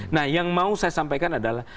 nah yang mau saya sampaikan adalah